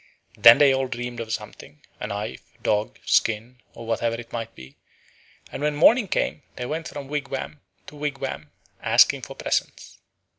Then they all dreamed of something, a knife, dog, skin, or whatever it might be, and when morning came they went from wigwam to wigwam asking for presents.